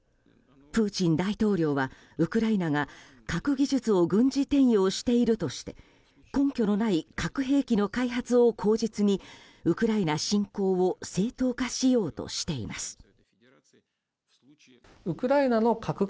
プーチン大統領はウクライナが核技術を軍事転用しているとして根拠のない核兵器の開発を口実にウクライナ侵攻を正当化しようとしています。